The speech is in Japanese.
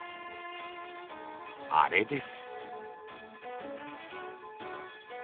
あれです。